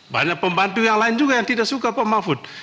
banyak pembantu yang lain juga yang tidak suka pak mahfud